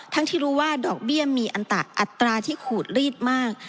ที่รู้ว่าดอกเบี้ยมีอัตราที่ขูดลีดมาก